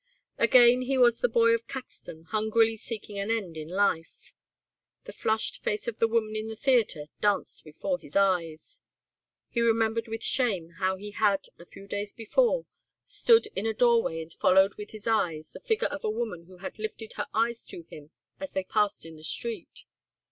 Again he was the boy of Caxton hungrily seeking an end in life. The flushed face of the woman in the theatre danced before his eyes. He remembered with shame how he had, a few days before, stood in a doorway and followed with his eyes the figure of a woman who had lifted her eyes to him as they passed in the street.